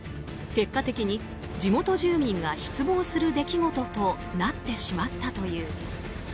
結果的に地元住民が失望する出来事となってしまったという。